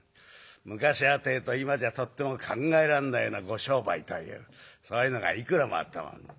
昔はってえと今じゃとっても考えらんないようなご商売というそういうのがいくらもあったもんで。